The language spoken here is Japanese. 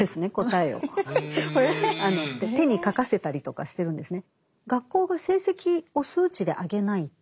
え⁉手に書かせたりとかしてるんですね。